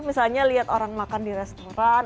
misalnya lihat orang makan di restoran